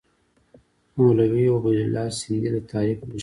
مولوي عبیدالله سندي د تحریک مشر وو.